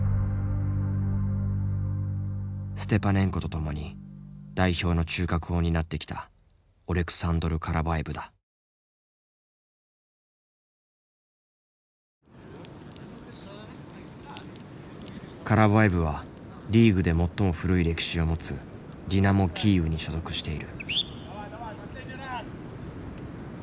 ステパネンコと共に代表の中核を担ってきたカラヴァエヴはリーグで最も古い歴史を持つディナモ・キーウに所属している。